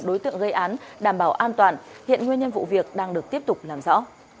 đối tượng gây án đảm bảo an toàn hiện nguyên nhân vụ việc đang được tiếp tục làm rõ